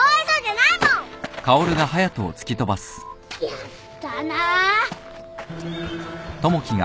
やったな。